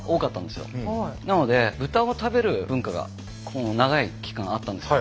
なので豚を食べる文化が長い期間あったんです。